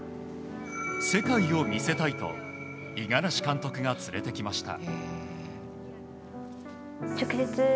世界を見せたいと五十嵐監督が連れてきました。